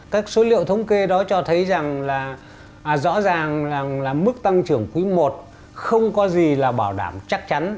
các số liệu thống kê đó cho thấy rằng là rõ ràng là mức tăng trưởng quý i không có gì là bảo đảm chắc chắn